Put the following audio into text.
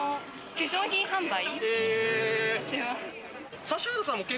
化粧品販売。